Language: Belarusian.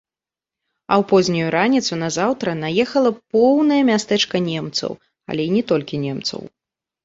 А ў познюю раніцу назаўтра наехала поўнае мястэчка немцаў, але і не толькі немцаў.